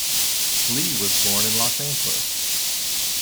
Lee was born in Los Angeles.